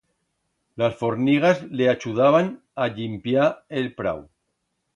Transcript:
Las fornigas le achudaban a llimpiar el prau.